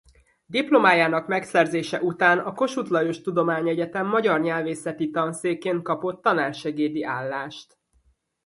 Diplomájának megszerzése után a Kossuth Lajos Tudományegyetem magyar nyelvészeti tanszékén kapott tanársegédi állást.